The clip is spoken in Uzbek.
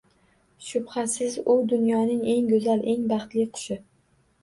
Shubhasiz, u dunyoning eng go‘zal, eng baxtli qushi